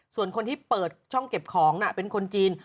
ส่วนคนที่เปิดช่องเก็บของเป็นคนจีน